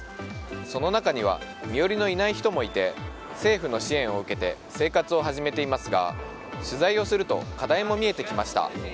その中には身寄りのいない人もいて政府の支援を受けて生活を始めていますが取材をすると課題も見えてきました。